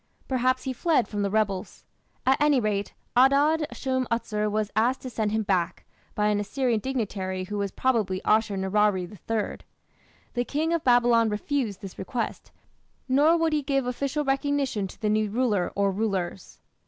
Perhaps he fled from the rebels. At any rate Adad shum utsur was asked to send him back, by an Assyrian dignitary who was probably Ashur nirari III. The king of Babylon refused this request, nor would he give official recognition to the new ruler or rulers.